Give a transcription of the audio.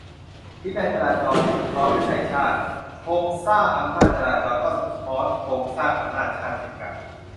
"วินัยจราจร สะท้อนวินัยชาติ" ? โครงสร้างอำนาจจราจร ก็สะท้อนโครงสร้างอำนาจชาติ เช่นกัน ?